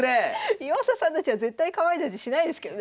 岩佐さんたちは絶対かまいたちしないですけどね